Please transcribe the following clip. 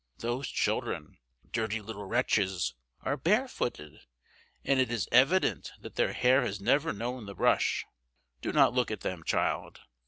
Those children—dirty little wretches!—are barefooted, and it is evident that their hair has never known the brush. Do not look at them, child!